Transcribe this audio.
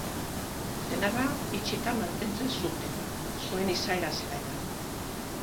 Senarra itxita mantentzen zuten, zuen izaera zela eta.